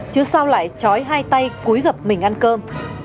chứ sao lại chói hai tay cuối gặp mình ăn cơm